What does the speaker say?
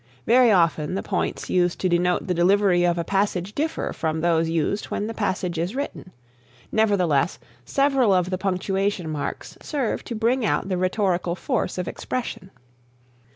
Very often the points used to denote the delivery of a passage differ from those used when the passage is written. Nevertheless, several of the punctuation marks serve to bring out the rhetorical force of expression.